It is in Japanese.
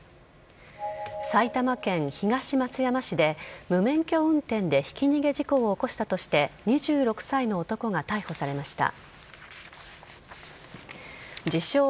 埼玉県東松山市で、無免許運転でひき逃げ事故を起こしたとして、２６歳の男が逮捕されました。